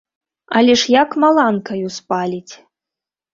Але ж як маланкаю спаліць.